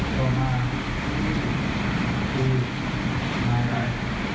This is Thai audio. ต่อมาคือนายอะไร